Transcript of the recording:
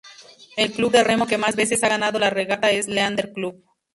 El club de remo que más veces ha ganado la regata es Leander Club.